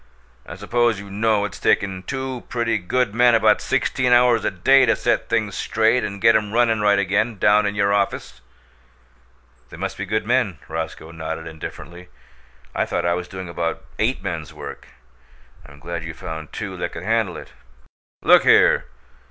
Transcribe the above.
"I suppose you know it's taken two pretty good men about sixteen hours a day to set things straight and get 'em runnin' right again, down in your office?" "They must be good men." Roscoe nodded indifferently. "I thought I was doing about eight men's work. I'm glad you found two that could handle it." "Look here!